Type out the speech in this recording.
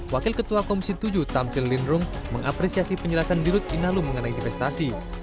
wakil ketua komisi tujuh tamsil lindrung mengapresiasi penjelasan dirut inalum mengenai investasi